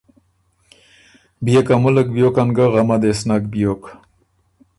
بيې که ملّک بیوکن ګه غمه دې سو نک بیوک“